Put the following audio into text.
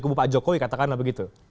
kubu pak jokowi katakanlah begitu